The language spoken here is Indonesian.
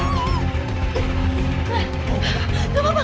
ini cukup berisiko berbalik gimana